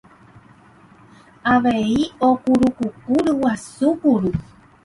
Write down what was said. avei okurukuku ryguasu kuru